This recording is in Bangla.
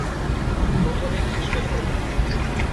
প্রথমে খ্রিষ্টধর্ম।